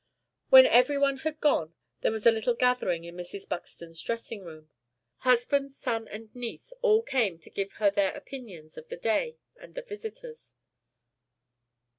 When every one had gone, there was a little gathering in Mrs. Buxton's dressing room. Husband, son and niece, all came to give her their opinions on the day and the visitors.